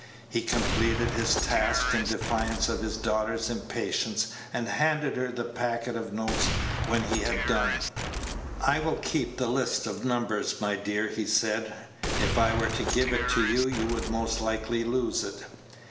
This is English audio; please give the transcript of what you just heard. He completed his task in defiance of his Page 99 daughter's impatience, and handed her the packet of notes when he had done. "I will keep the list of numbers, my dear," he said. "If I were to give it to you, you would most likely lose it."